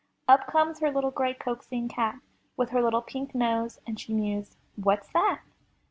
Up comes her little gray, coaxing cat. With her little pink nose, and she mews, What's that?